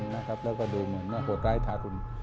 และก็ดูเหมือนโหดร้ายธาตุ